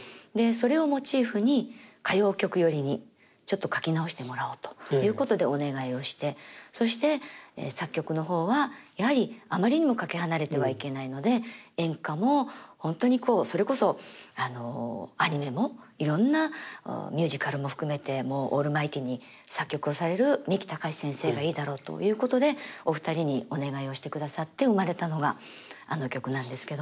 でそれをモチーフに歌謡曲寄りにちょっと書き直してもらおうということでお願いをしてそして作曲の方はやはりあまりにもかけ離れてはいけないので演歌も本当にこうそれこそアニメもいろんなミュージカルも含めてもうオールマイティーに作曲をされる三木たかし先生がいいだろうということでお二人にお願いをしてくださって生まれたのがあの曲なんですけども。